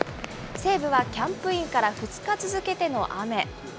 西武はキャンプインから２日続けての雨。